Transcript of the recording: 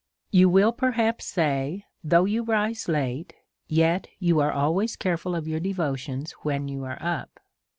You will perhaps say, though you rise late, yet you are always careful of your devotions when you are up.